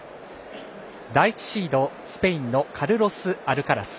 第１シードスペインのカルロス・アルカラス。